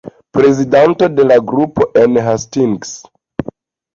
Prezidanto de la grupo en Hastings.